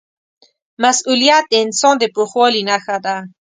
مسؤلیت د انسان د پوخوالي نښه ده.